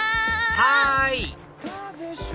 はい！